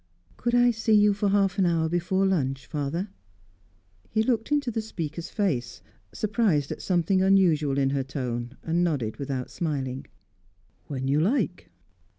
"Could I see you for half an hour before lunch, father?" He looked into the speaker's face, surprised at something unusual in her tone, and nodded without smiling. "When you like."